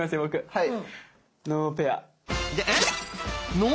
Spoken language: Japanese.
はい。